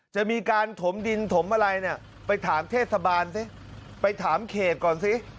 จะมีการถมดินถมอะไรเนี่ยไปถามเทศบาลสิไปถามเขตก่อนสิ